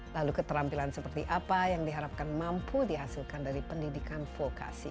lalu keterampilan seperti apa yang diharapkan mampu dihasilkan dari pendidikan vokasi